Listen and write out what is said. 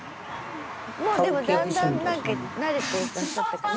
もうでもだんだん何か慣れていらっしゃった感じ。